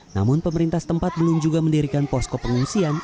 namun pemerintah tempat belum juga mendirikan poskop pengungsian